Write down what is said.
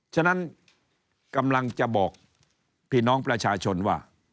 ฉะนั้นกำลังจะบอกพี่น้องประชาชนว่า